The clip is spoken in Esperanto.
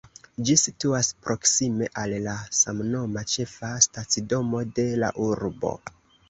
Ĝi situas proksime al la samnoma, ĉefa stacidomo de la urbo.